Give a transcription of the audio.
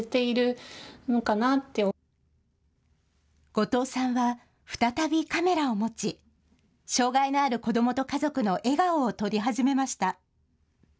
後藤さんは再びカメラを持ち障害のある子どもと家族の笑顔を撮り始めました。